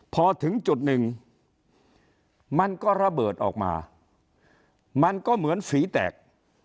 พอถึงจุดหนึ่งมันก็ระเบิดออกมามันก็เหมือนฝีแตก